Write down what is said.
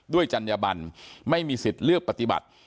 จัญญบันไม่มีสิทธิ์เลือกปฏิบัติ